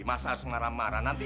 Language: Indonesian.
masa harus marah marah